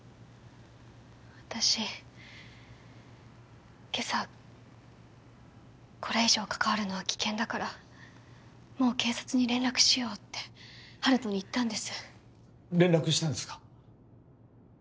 私今朝これ以上関わるのは危険だからもう警察に連絡しようって温人に言ったんです連絡したんですか？